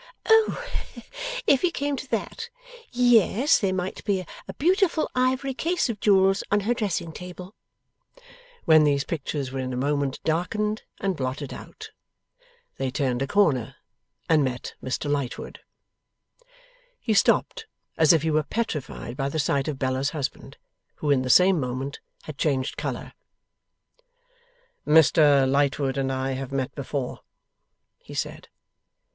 O! if he came to that, yes, there might be a beautiful ivory case of jewels on her dressing table; when these pictures were in a moment darkened and blotted out. They turned a corner, and met Mr Lightwood. He stopped as if he were petrified by the sight of Bella's husband, who in the same moment had changed colour. 'Mr Lightwood and I have met before,' he said.